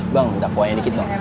bang minta kuahnya dikit dong